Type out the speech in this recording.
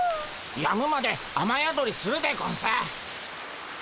やむまで雨宿りするでゴンス。